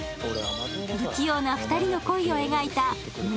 不器用な２人の恋を描いた胸